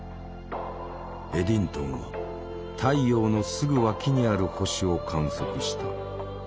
エディントンは太陽のすぐ脇にある星を観測した。